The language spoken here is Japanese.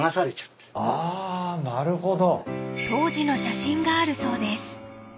あなるほど。